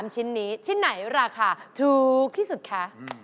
ชิ้นนี้ชิ้นไหนราคาถูกที่สุดคะ